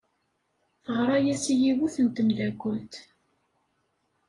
Teɣra-as i yiwet n tmeddakelt.